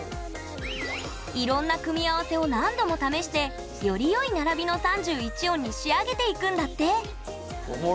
いろんな組み合わせを何度も試してよりよい並びの３１音に仕上げていくんだって！